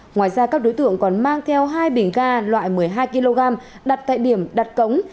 ngoài ra các đối tượng còn mang theo hai bình ga loại một mươi hai kg đặt tại điểm đặt cống